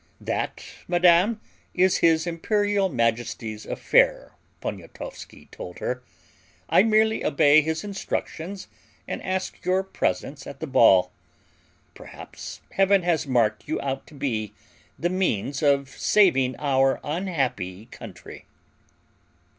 "That, madam, is his imperial majesty's affair," Poniatowski told her. "I merely obey his instructions and ask your presence at the ball. Perhaps Heaven has marked you out to be the means of saving our unhappy country."